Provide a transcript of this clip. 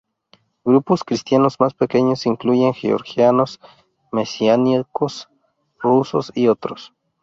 Grupos cristianos más pequeños incluyen georgianos, mesiánicos, rusos y otros.